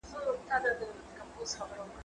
دا مړۍ له هغه خوندوره ده